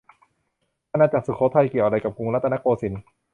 อาณาจักรสุโขทัย เกี่ยวอะไรกับกรุงรัตนโกสินทร์